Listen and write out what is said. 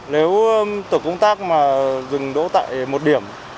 nếu tổ công tác mà dừng đỗ tại một điểm